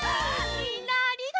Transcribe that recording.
みんなありがとう！